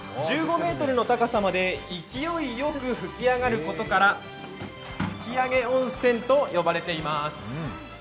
１５ｍの高さまで勢いよく噴き上がることから吹上温泉と呼ばれています。